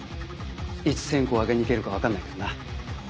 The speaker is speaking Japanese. いつ線香を上げに行けるか分かんないからな。